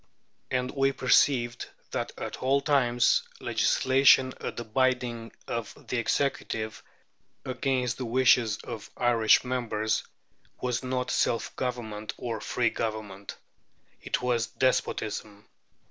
And we perceived that at all times legislation at the bidding of the Executive, against the wishes of Irish members, was not self government or free government. It was despotism.